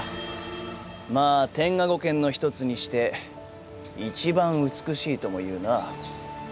まあ天下五剣の一つにして一番美しいとも言うな。